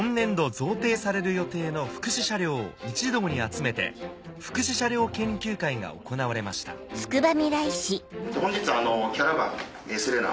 贈呈される予定の福祉車両を一堂に集めて福祉車両研究会が行われました本日キャラバンセレナ